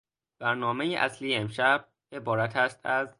برنامهی اصلی امشب عبارت است از....